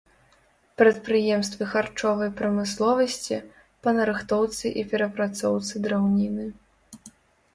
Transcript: Прадпрыемствы харчовай прамысловасці, па нарыхтоўцы і перапрацоўцы драўніны.